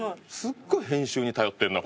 すごい編集に頼ってんな